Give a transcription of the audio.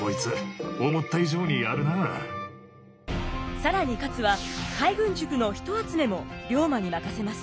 更に勝は海軍塾の人集めも龍馬に任せます。